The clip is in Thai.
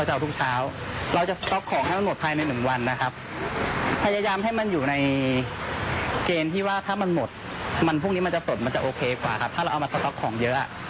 มันจะโอเคกว่าครับถ้าเราเอามาสต๊อกของเยอะ